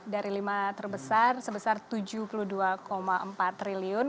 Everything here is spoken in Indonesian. dari lima terbesar sebesar rp tujuh puluh dua empat triliun